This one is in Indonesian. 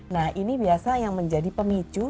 nah ini biasa yang menjadi pemicu